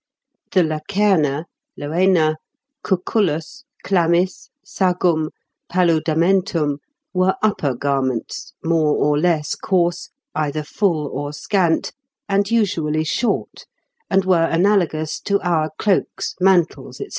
The lacerna, loena, cucullus, chlamys, sagum, paludamentum, were upper garments, more or less coarse, either full or scant, and usually short, and were analogous to our cloaks, mantles, &c.